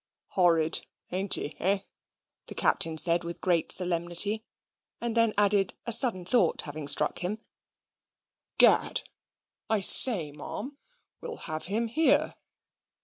"Horrid, ain't he, hey?" the Captain said with great solemnity; and then added, a sudden thought having struck him: "Gad, I say, ma'am, we'll have him here."